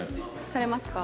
されますか？